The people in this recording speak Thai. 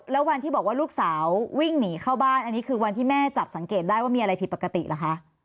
แล้ววันที่บอกว่าลูกสาววิ่งหนีเข้าบ้านอันนี้คือวันที่แม่จับสังเกตได้ว่ามีอะไรผิดปกติเหรอคะ